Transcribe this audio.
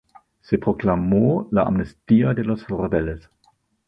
Se proclamó la amnistía de los rebeldes.